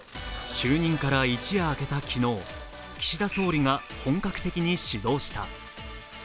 就任から一夜明けた昨日、岸田総理が本格的に始動した。